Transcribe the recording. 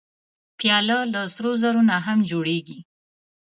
پیاله د سرو زرو نه هم جوړېږي.